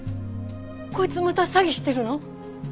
こいつまた詐欺してるの？